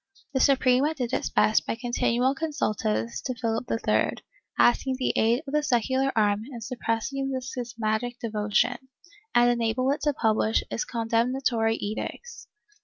The Suprema did its best by continual consultas to Philip III, asking the aid of the secular arm in suppressing this schismatic devotion, and enable it to publish its condemnatory edicts.